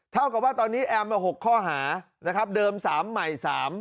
เท่ากับว่าตอนนี้แอม๖ข้อหาเดิม๓ใหม่๓